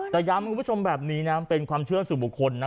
แต่ย้ำคุณผู้ชมแบบนี้นะเป็นความเชื่อสู่บุคคลนะ